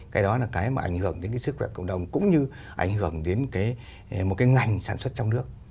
cái đó là cái mà ảnh hưởng đến cái sức khỏe cộng đồng cũng như ảnh hưởng đến một cái ngành sản xuất trong nước